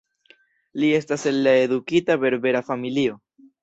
Li estas el edukita berbera familio.